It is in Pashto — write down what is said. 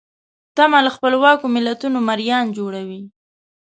تمه له خپلواکو ملتونو مریان جوړوي.